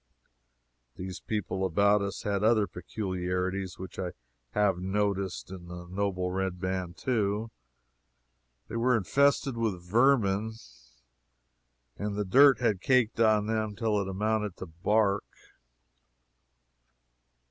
These people about us had other peculiarities, which I have noticed in the noble red man, too: they were infested with vermin, and the dirt had caked on them till it amounted to bark.